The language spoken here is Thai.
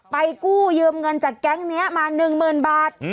ไปกู้เยิมเงินจากแก๊งนี้มาหนึ่งหมื่นบาท